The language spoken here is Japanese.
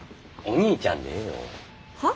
お兄ちゃんでええよ。は？